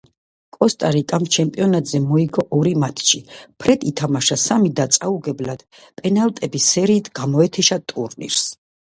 კოსტა-რიკამ ჩემპიონატზე მოიგო ორი მატჩი, ფრედ ითამაშა სამი და წაუგებლად, პენალტების სერიით გამოეთიშა ტურნირს.